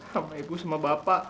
sama ibu sama bapak